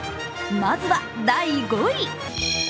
まずは第５位。